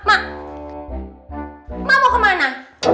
mak mau kemana